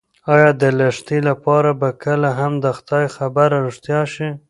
ایا د لښتې لپاره به کله هم د خدای خبره رښتیا شي؟